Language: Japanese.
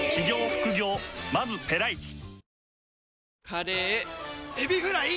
カレーエビフライ！